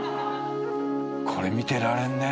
これ見てられるね。